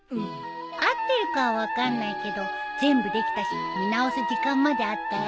合ってるかは分かんないけど全部できたし見直す時間まであったよ。